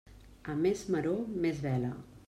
A més maror, més vela.